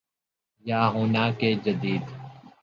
یا ہونا کہ جدید